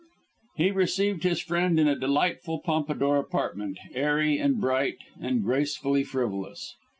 He received his friend in a delightful Pompadour apartment, airy and bright, and gracefully frivolous.